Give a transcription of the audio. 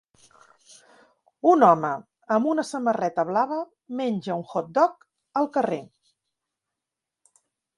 Un home amb una samarreta blava menja un hot dog al carrer